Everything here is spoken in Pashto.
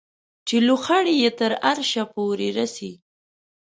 چې لوخړې یې تر عرشه پورې رسي